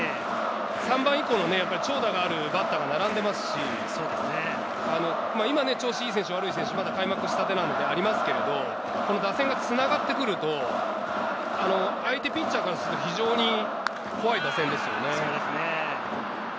３番以降も長打があるバッターが並んでいますし、今、調子いい選手、悪い選手、開幕したてなのでありますけれど、打線が繋がってくると、相手ピッチャーからすると非常に怖い打線です。